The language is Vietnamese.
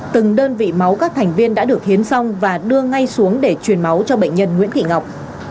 từng đơn vị máu các thành viên đã được hiến xong và đưa ngay xuống để truyền máu cho bệnh nhân nguyễn thị ngọc